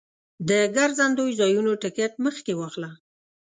د ګرځندوی ځایونو ټکټ مخکې واخله.